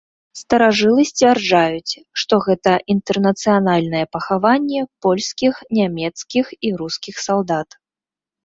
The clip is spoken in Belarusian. Старажылы сцвярджаюць, што гэта інтэрнацыянальнае пахаванне польскіх, нямецкіх і рускіх салдат.